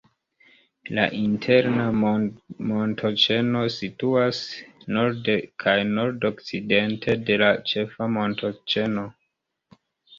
La Interna montoĉeno situas norde kaj nord-okcidente de la Ĉefa montoĉeno.